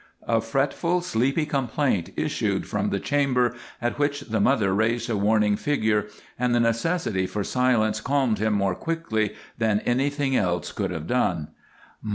A fretful, sleepy complaint issued from the chamber, at which the mother raised a warning finger, and the necessity for silence calmed him more quickly than anything else could have done.